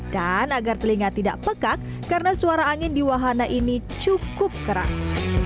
dan agar telinga tidak pekak karena suara angin di wahana ini cukup keras